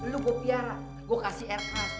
lo gue piarah gue kasih r a s